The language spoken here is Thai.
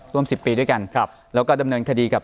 แล้วก็ดำเนินคดีกับ